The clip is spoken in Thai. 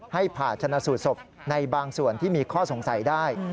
ผ่าชนะสูตรศพในบางส่วนที่มีข้อสงสัยได้